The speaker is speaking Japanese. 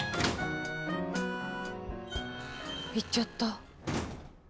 行っちゃった。